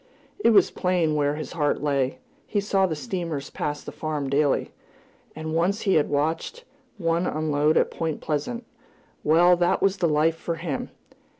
It was plain where his heart lay. He saw the steamers pass the farm daily, and once he had watched one unload at Point Pleasant well, that was the life for him!